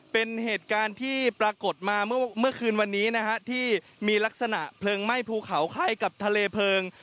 เป็นเหตุการณ์ที่ปรากฏมาเมื่อคืนวันนี้นะฮะที่มีลักษณะเพลิงไหม้ภูเขาใกล้กับทะเลเพลิง